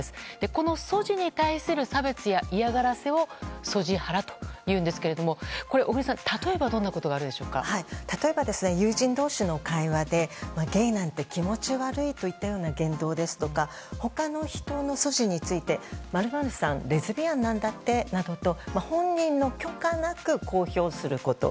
このＳＯＧＩに対する差別や嫌がらせをＳＯＧＩハラというんですけども小栗さん、例えば例えば友人同士の会話でゲイなんて気持ち悪いといったような言動ですとか他の人のＳＯＧＩについて○○さんレズビアンなんだってなどと本人の許可なく公表すること。